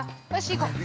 行こうね。